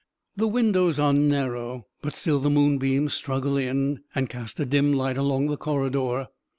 The windows are narrow, but still the moonbeams struggle in, and cast a dim light along the corridor.